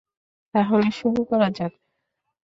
তাহলে শুরু করা যাক?